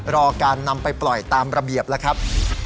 รอการนำไปปล่อยตามระเบียบแล้วครับ